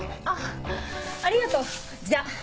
あっありがとうじゃあ！